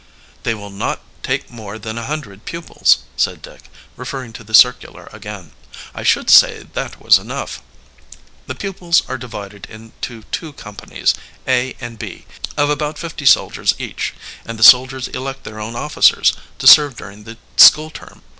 "They will not take more than a hundred pupils," said Dick, referring to the circular again. "I should say that was enough. The pupils are divided into two companies, A and B, of about fifty soldiers each; and the soldiers elect their own officers, to serve during the school term.